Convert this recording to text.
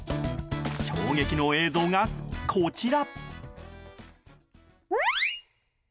衝撃の映像がこちら。